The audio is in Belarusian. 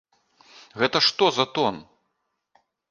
Гэта што за тон!